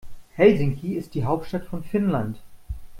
Helsinki ist die Hauptstadt von Finnland.